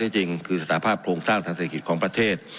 ที่จริงคือสถาพภาพโครงสร้างศัษยาศัตริยษฐิกฤษของประเทศ